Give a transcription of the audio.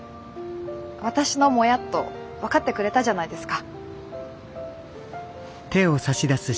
私のモヤっと分かってくれたじゃないですか。